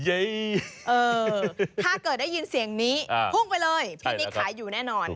ถ้าเกิดได้ยินเสียงนี้พุ่งไปเลยพี่นิกขายอยู่แน่นอน